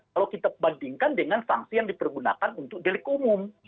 kalau kita bandingkan dengan sanksi yang dipergunakan untuk delik umum